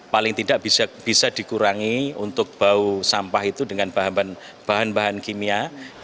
paling tidak bisa dikurangi untuk bau sampah itu dengan bahan bahan kimia